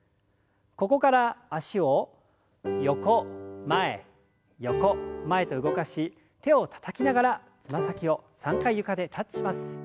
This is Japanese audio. ここから脚を横前横前と動かし手をたたきながらつま先を３回床でタッチします。